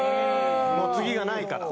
もう次がないから。